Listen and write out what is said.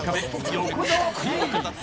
横澤Ｐ！